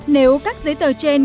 nếu các giấy tờ trên